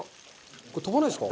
これ跳ばないですか？